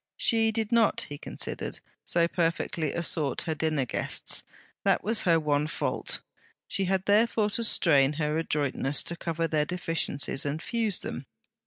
She did not, he considered, so perfectly assort her dinner guests; that was her one fault. She had therefore to strain her adroitness to cover their deficiencies and fuse them.